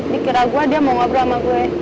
dikira gue dia mau ngobrol sama gue